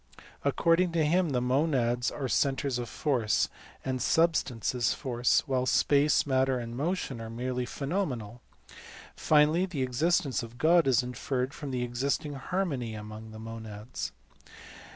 According to him the monads are centres of force, and substance is force, while space, matter, and motion are merely pheno menal : finally the existence of God is inferred from the existing harmony among the monads.